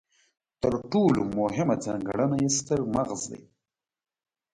تر ټولو مهمه ځانګړنه یې ستر مغز دی.